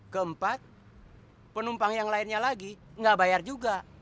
keempat penumpang yang lainnya lagi nggak bayar juga